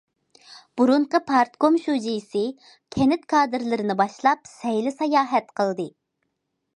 بۇرۇنقى پارتكوم شۇجىسى كەنت كادىرلىرىنى باشلاپ سەيلە- ساياھەت قىلدى.